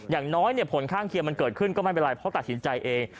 อย่างน้อยผลข้างเคียงมันเกิดขึ้นก็ไม่เป็นไรเพราะตัดสินใจเอง